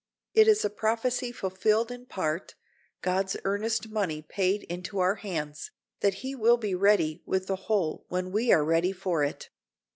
It is a prophecy fulfilled in part—God's earnest money paid into our hands, that he will be ready with the whole when we are ready for it.